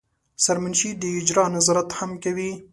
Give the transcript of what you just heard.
سرمنشي د اجرا نظارت هم کوي.